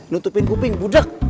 nutupin kuping budak